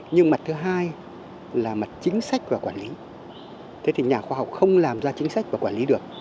nhưng mặt thứ hai là mặt chính sách và quản lý thế thì nhà khoa học không làm ra chính sách và quản lý được